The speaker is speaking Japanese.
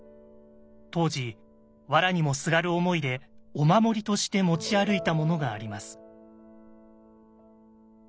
当時わらにもすがる思いでお守りとして持ち歩いたものがあります。